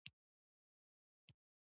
چې تېروتنه راپه ګوته شي، اعتراف به يې کوم.